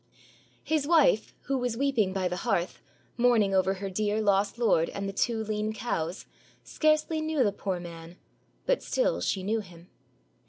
His wife, who was weeping by the hearth, mourning over her dear lost lord and the two lean cows, scarcely knew the poor man, but still she knew him.